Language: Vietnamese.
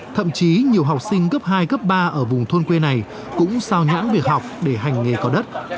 thậm chí nhiều học sinh cấp hai cấp ba ở vùng thôn quê này cũng sao nhãn việc học để hành nghề có đất